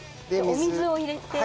お水を入れて。